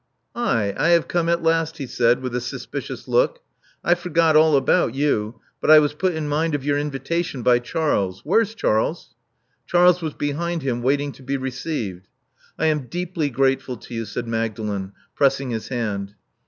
*'Aye, I have come at last," he said, with a sus picious look. I forgot all about you; but I was put in mind of your invitation by Charles where's Charles? Charles was behind him, waiting to be received. I am deeply grateful to you, said Magdalen, pressing his hand.